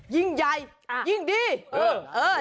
ยิ่งใหญ่ยิ่งดี